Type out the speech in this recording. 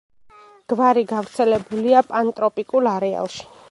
გვარი გავრცელებულია პანტროპიკულ არეალში.